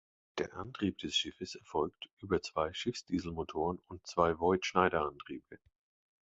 Der Antrieb des Schiffes erfolgt über zwei Schiffsdieselmotoren und zwei Voith-Schneider-Antriebe.